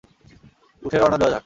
উঠে রওনা দেওয়া যাক।